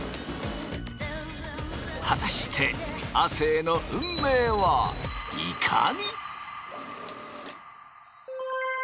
果たして亜生の運命はいかに。